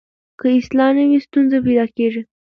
که اصلاح نه وي ستونزه پیدا کېږي.